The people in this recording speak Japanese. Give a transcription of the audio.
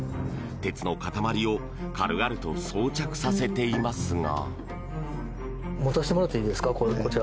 鉄の塊を軽々と装着させていますが。